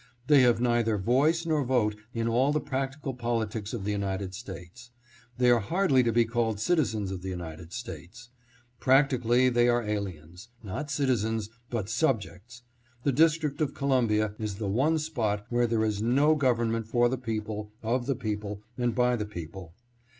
They have neither voice nor vote in all the practical politics of the United States. They are hardly to be called citizens of the United States. Practically they are aliens ; not citizens, but subjects. The Dis trict of Columbia is the one spot where there is no 646 POLITICAL STANDING OF THE DISTRICT OF COLUMBIA. government for the people, of the people, and by the people.